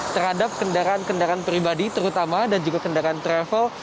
terhadap kendaraan kendaraan pribadi terutama dan juga kendaraan travel